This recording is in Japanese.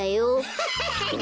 ハハハハハ！